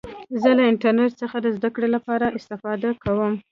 زه له انټرنټ څخه د زدهکړي له پاره استفاده کوم.